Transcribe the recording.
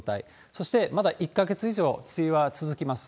そしてまだ１か月以上梅雨は続きます。